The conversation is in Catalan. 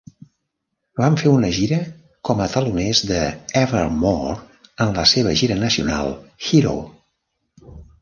Van fer una gira com a teloners d'Evermore en la seva gira nacional "Hero".